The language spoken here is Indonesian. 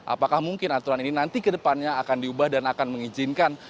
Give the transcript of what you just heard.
apakah mungkin aturan ini nanti ke depannya akan diubah dan akan mengizinkan